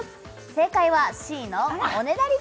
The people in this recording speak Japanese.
正解はＣのおねだり